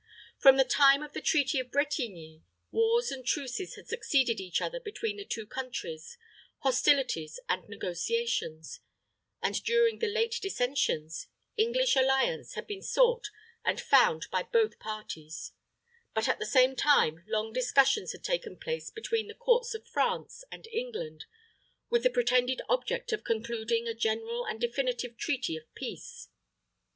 From the time of the treaty of Bretigny, wars and truces had succeeded each other between the two countries hostilities and negotiations; and during the late dissensions, English alliance had been sought and found by both parties; but, at the same time, long discussions had taken place between the courts of France and England with the pretended object of concluding a general and definitive treaty of peace.